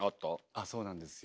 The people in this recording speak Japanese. あっそうなんですよ。